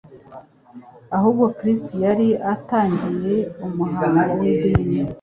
Ahubwo Kristo yari atangiye umuhango w'idini.